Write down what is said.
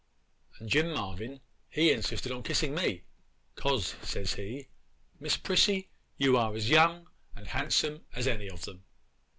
And Jim Marvyn he insisted upon kissing me, 'cause, says he, Miss Prissy, you are as young and handsome as any of them.